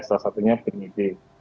salah satunya penyidik